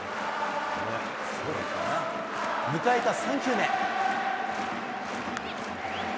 迎えた３球目。